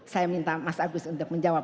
saya minta mas agus untuk menjawab